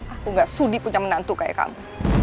aku gak sudi punya menantu kayak kamu